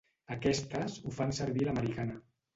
Aquestes ho fan servir a l'americana.